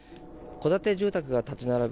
戸建て住宅が立ち並ぶ